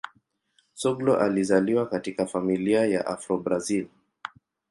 Soglo alizaliwa katika familia ya Afro-Brazil.